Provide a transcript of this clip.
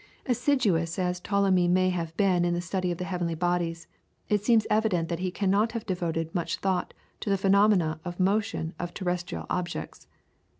Assiduous as Ptolemy may have been in the study of the heavenly bodies, it seems evident that he cannot have devoted much thought to the phenomena of motion of terrestrial objects.